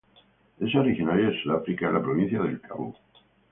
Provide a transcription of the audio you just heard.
Es originaria de Sudáfrica en la Provincia del Cabo.